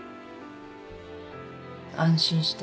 安心して。